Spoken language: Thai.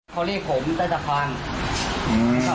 เขาเรียกผมแต่จะฟัง